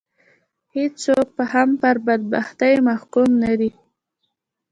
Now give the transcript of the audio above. هېڅوک هم پر بدبختي محکوم نه دي